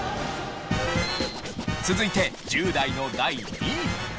続いて１０代の第２位。